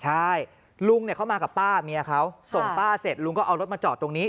ใช่ลุงเข้ามากับป้าเมียเขาส่งป้าเสร็จลุงก็เอารถมาจอดตรงนี้